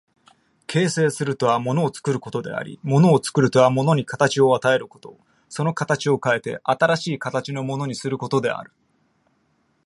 形成するとは物を作ることであり、物を作るとは物に形を与えること、その形を変えて新しい形のものにすることである。